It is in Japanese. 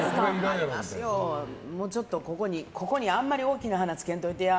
ちょっと、ここにあんまり大きな花つけんといてや。